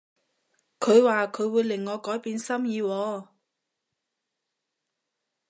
佢話佢會令我改變心意喎